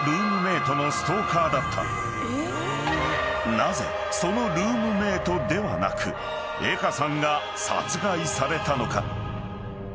［なぜそのルームメートではなく江歌さんが殺害されたのか？］